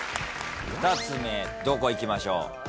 ２つ目どこいきましょう？